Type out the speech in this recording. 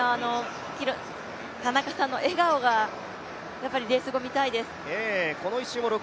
田中さんの笑顔がレース後、見たいです。